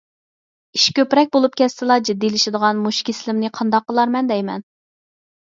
ئىش كۆپرەك بولۇپ كەتسىلا جىددىيلىشىدىغان مۇشۇ كېسىلىمنى قانداق قىلارمەن دەيمەن؟